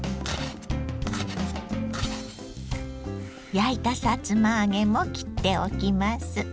焼いたさつま揚げも切っておきます。